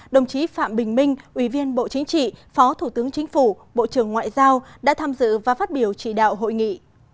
đồng chí phạm bình minh ủy viên bộ chính trị phó thủ tướng chính phủ bộ trưởng ngoại giao đã tham dự và phát biểu trị đạo hội nghị